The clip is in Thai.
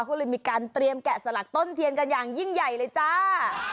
ก็เลยมีการเตรียมแกะสลักต้นเทียนกันอย่างยิ่งใหญ่เลยจ้า